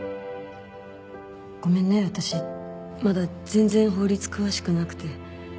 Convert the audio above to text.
ごめんね私まだ全然法律詳しくなくて。